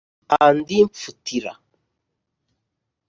Andy Mfutila